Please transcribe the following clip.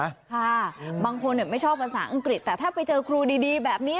ค่ะบางคนไม่ชอบภาษาอังกฤษแต่ถ้าไปเจอครูดีดีแบบนี้